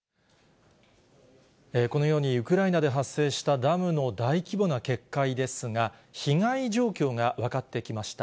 このように、ウクライナで発生したダムの大規模な決壊ですが、被害状況が分かってきました。